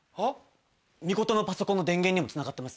ミコトのパソコンの電源にもつながってます？